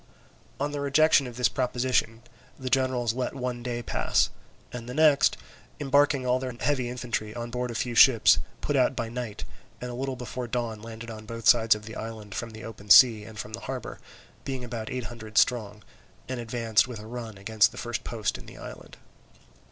On the rejection of this proposition the generals let one day pass, and the next, embarking all their heavy infantry on board a few ships, put out by night, and a little before dawn landed on both sides of the island from the open sea and from the harbour, being about eight hundred strong, and advanced with a run against the first post in the island.